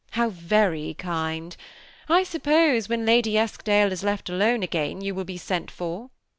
How very kind ! I suppose when Lady Eskdale is left alone again, you will be sent for."